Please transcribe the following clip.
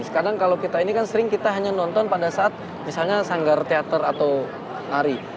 sekarang kalau kita ini kan sering kita hanya nonton pada saat misalnya sanggar teater atau nari